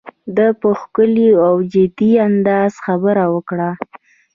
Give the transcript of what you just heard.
ده په ښکلي او جدي انداز خبره وکړه.